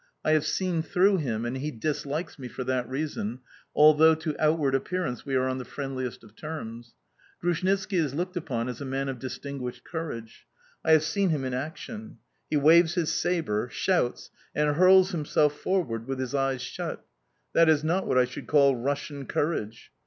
I have seen through him, and he dislikes me for that reason, although to outward appearance we are on the friendliest of terms. Grushnitski is looked upon as a man of distinguished courage. I have seen him in action. He waves his sabre, shouts, and hurls himself forward with his eyes shut. That is not what I should call Russian courage!...